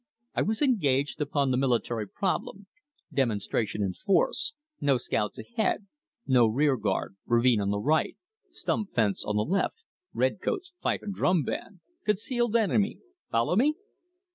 "I was engaged upon the military problem demonstration in force, no scouts ahead, no rearguard, ravine on the right, stump fence on the left, red coats, fife and drum band, concealed enemy follow me?